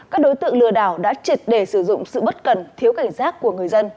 các đối tượng lừa đảo đã trịt để sử dụng sự bất cần thiếu cảnh giác của người dân